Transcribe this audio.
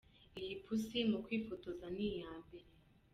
yi Pusi mu kwifotoza ni iya mbere.